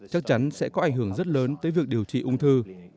chắc chắn sẽ có ảnh hưởng rất lớn tới việc điều trị ung thư